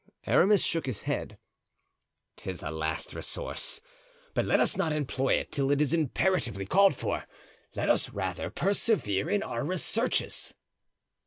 '" Aramis shook his head. "'Tis a last resource, but let us not employ it till it is imperatively called for; let us rather persevere in our researches."